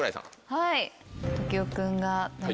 はい。